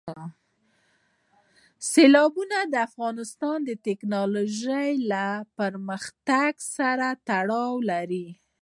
سیلابونه د افغانستان د تکنالوژۍ له پرمختګ سره تړاو لري.